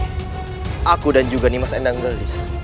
benar rai aku dan juga nimas endang gelis